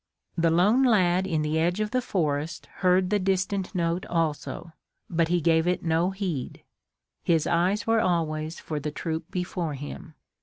The lone lad in the edge of the forest heard the distant note also, but he gave it no heed. His eyes were always for the troop before him.